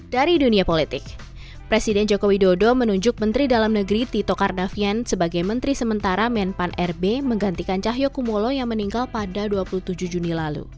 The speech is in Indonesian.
dari dunia politik presiden joko widodo menunjuk menteri dalam negeri tito karnavian sebagai menteri sementara menpan rb menggantikan cahyokumolo yang meninggal pada dua puluh tujuh juni lalu